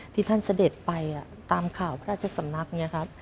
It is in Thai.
ที่ท่านเสด็จไปตามข่าวพระราชสำนักเนี่ยครับ